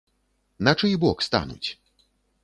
На чый бок стануць?